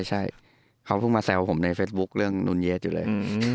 ใช่เขาเพิ่งมาแซวผมในเฟซบุ๊คเรื่องนู้นเยียดอยู่เลย